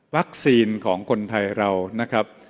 แวคซีนของคนไทยเรานะครับ